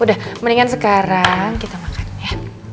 udah mendingan sekarang kita makan ya